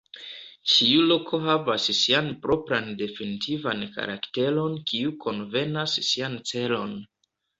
Ĉiu loko havas sian propran definitivan karakteron kiu konvenas sian celon.